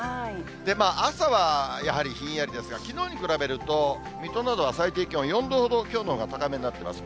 朝はやはりひんやりですが、きのうに比べると、水戸などは最低気温４度ほど、きょうのほうが高めになっています。